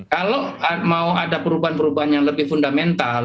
kalau mau ada perubahan perubahan yang lebih fundamental